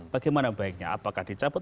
bagaimana baiknya apakah disampaikan